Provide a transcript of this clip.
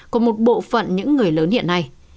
của một bộ phận những người lớn hiện nay